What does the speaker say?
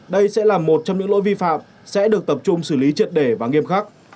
đây sẽ là một trong những lỗi vi phạm sẽ được tập trung xử lý triệt để và nghiêm khắc